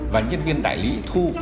và nhân viên đại lý thu